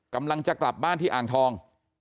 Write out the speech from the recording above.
กำลังจะกลับบ้านที่อ่างทอง